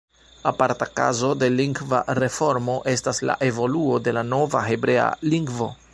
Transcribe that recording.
Aparta kazo de lingva reformo estas la evoluo de la nova hebrea lingvo.